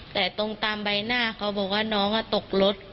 แต่ตรงตามใบหน้าเขาบอกว่าน้องตกรถ